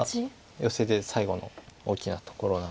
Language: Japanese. ヨセで最後の大きなところなので。